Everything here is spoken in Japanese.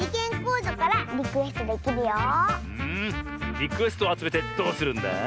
リクエストをあつめてどうするんだ？